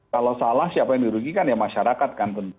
kalau salah siapa yang dirugikan ya masyarakat kan